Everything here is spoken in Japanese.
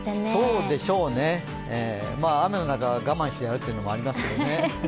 そうでしょうね、雨の中我慢してやるっていうのもありますけどね。